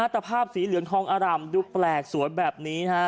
ตะภาพสีเหลือนทองอารามดูแปลกสวยแบบนี้ฮะ